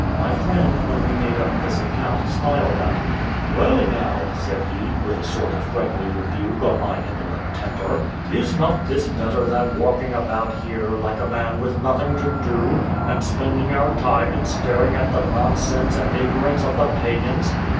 My friend, when we made up this account, smiled at me: "Well, now," said he, with a sort of friendly rebuke on my indolent temper, "is not this better than walking about here, like a man with nothing to do, and spending our time in staring at the nonsense and ignorance of the Pagans?"